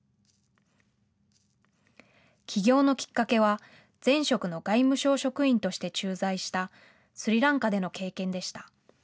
起業のきっかけは前職の外務省職員として駐在したスリランカでの経験でした。